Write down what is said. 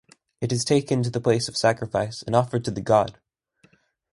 It is taken to the place of sacrifice and offered to the god.